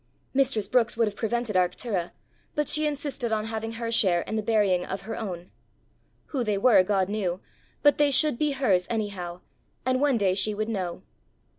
Mistress Brookes would have prevented Arctura, but she insisted on having her share in the burying of her own: who they were God knew, but they should be hers anyhow, and one day she would know!